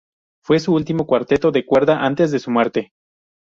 Fue su último cuarteto de cuerda antes de su muerte.